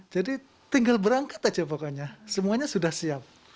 jadi tinggal berangkat aja pokoknya semuanya sudah siap